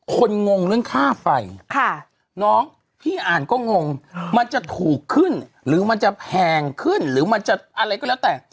งงเรื่องค่าไฟน้องพี่อ่านก็งงมันจะถูกขึ้นหรือมันจะแพงขึ้นหรือมันจะอะไรก็แล้วแต่